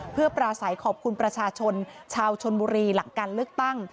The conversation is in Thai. เพื่อปราศัยขอบคุณประชาชนชาวชนบุรีหลังการเลือกตั้ง